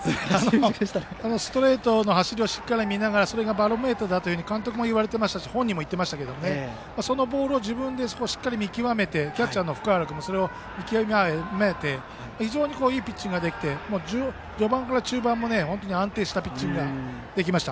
ストレートの走りをしっかり見ながらそれがバロメーターだと監督も言われていたし本人も言っていましたがそのボールを自分でしっかり見極めてキャッチャーも福原君もそれを見極めて非常にいいピッチングができて序盤から中盤も本当に安定したピッチングができました。